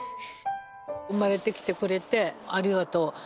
「生まれてきてくれてありがとう」。